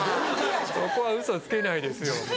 そこはウソつけないですよ。